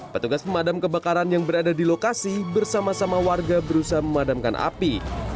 petugas pemadam kebakaran yang berada di lokasi bersama sama warga berusaha memadamkan api